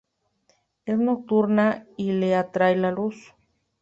Es nocturna y le atrae la luz.